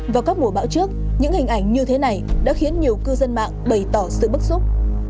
vào các mùa bão trước những hình ảnh như thế này đã khiến nhiều cư dân mạng bày tỏ sự bức xúc